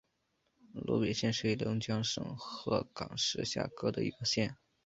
萝北县是黑龙江省鹤岗市下辖的一个县。